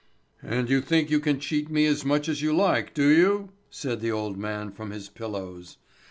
"And you think you can cheat me as much as you like, do you?" said the old man from his pillows.